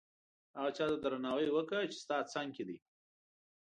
هغه چاته درناوی وکړه چې ستا څنګ کې دي.